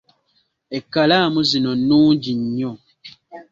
Ekkalaamu zino nnungi nnyo.